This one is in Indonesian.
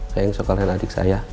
saya yang sokalan adik saya